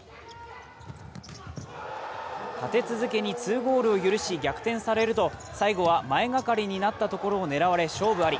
立て続けに２ゴールを許し、逆転されると最後は、前がかりになったところを狙われ、勝負あり。